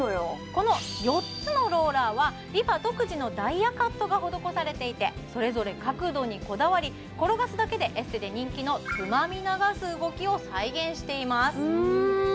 この４つのローラーはＲｅＦａ独自のダイヤカットが施されていてそれぞれ角度にこだわり転がすだけでエステで人気のつまみ流す動きを再現していますうん！